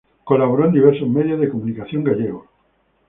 Colaboró en diversos medios de comunicación gallegos.